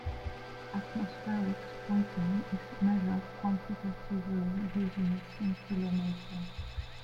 Atmospheric twinkling is measured quantitatively using a scintillometer.